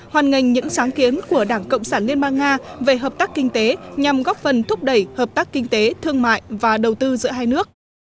hoàn ngành những sáng kiến của đảng cộng sản liên bang nga về hợp tác kinh tế nhằm góp phần thúc đẩy hợp tác kinh tế thương mại và đầu tư giữa hai nước